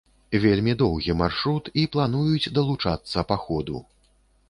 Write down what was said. Вельмі доўгі маршрут, і плануюць далучацца па ходу.